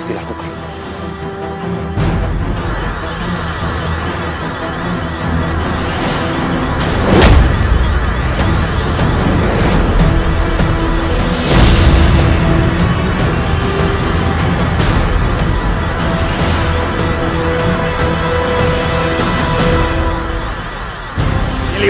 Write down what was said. sabarlah kita selesai